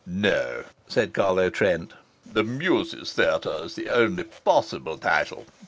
"No," said Carlo Trent, "'The Muses' Theatre' is the only possible title.